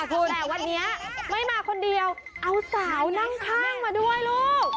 แต่วันนี้ไม่มาคนเดียวเอาสาวนั่งข้างมาด้วยลูก